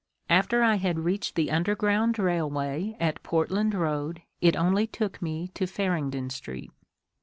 After I had reached the underground railway at Portland Boad it only took me to Farringdon Street.